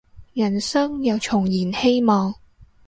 人生又重燃希望